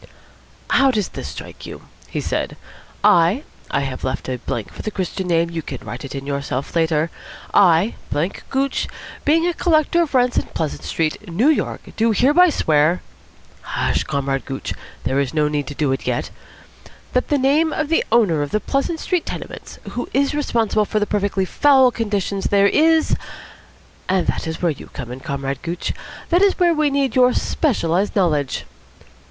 "How does this strike you?" he said. "'I' (I have left a blank for the Christian name: you can write it in yourself later) 'I, blank Gooch, being a collector of rents in Pleasant Street, New York, do hereby swear' hush, Comrade Gooch, there is no need to do it yet 'that the name of the owner of the Pleasant Street tenements, who is responsible for the perfectly foul conditions there, is ' And that is where you come in, Comrade Gooch. That is where we need your specialised knowledge.